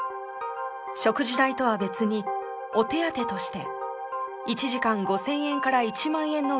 食事代とは別にお手当として１時間５０００円から１万円の現金がもらえるといいます。